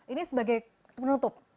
ini sebagai penutup